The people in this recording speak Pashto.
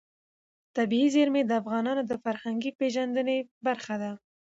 طبیعي زیرمې د افغانانو د فرهنګي پیژندنې برخه ده.